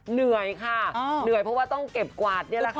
เหนื่อยค่ะเหนื่อยเพราะว่าต้องเก็บกวาดนี่แหละค่ะ